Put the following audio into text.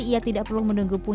ia tidak perlu menunggu